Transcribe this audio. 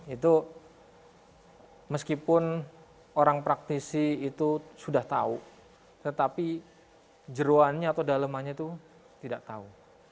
itu meskipun orang praktisi itu sudah tahu tetapi jeruannya atau dalemannya itu tidak tahu